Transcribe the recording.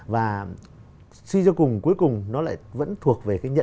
và suy cho cùng cuối cùng nó lại vẫn thuộc về cái nhận